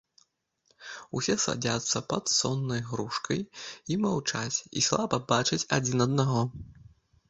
Усе садзяцца пад соннай грушкай і маўчаць і слаба бачаць адзін аднаго.